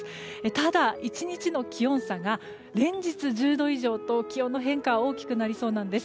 ただ、１日の気温差が連日、１０度以上と気温の変化大きくなりそうなんです。